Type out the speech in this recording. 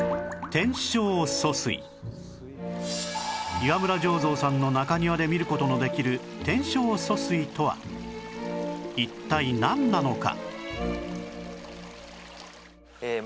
岩村醸造さんの中庭で見る事のできる天正疎水とは一体なんなのか？